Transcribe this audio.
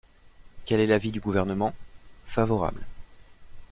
Quel est l’avis du Gouvernement ? Favorable.